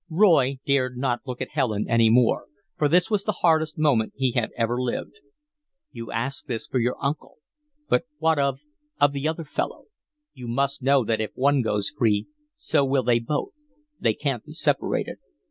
Roy dared not look at Helen any more, for this was the hardest moment he had ever lived. "You ask this for your uncle, but what of of the other fellow? You must know that if one goes free so will they both; they can't be separated."